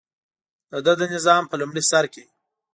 دده د نظام په لومړي سر کې.